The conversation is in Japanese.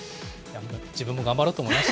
自分も頑張ろうと思いました。